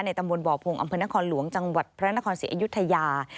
ตำบลบ่อพงศ์อำเภอนครหลวงจังหวัดพระนครศรีอยุธยา